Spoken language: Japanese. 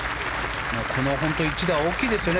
この一打は大きいですよね。